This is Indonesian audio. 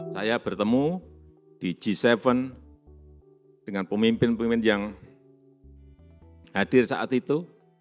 saya bertemu di g tujuh dengan pemimpin pemimpin yang hadir saat itu